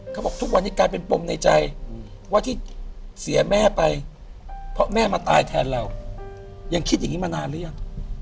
ทุกวันนี้กลายเป็นปมในใจว่าที่เสียแม่ไปเพราะแม่มาตายแทนเรายังคิดอย่างนี้มานานหรือยัง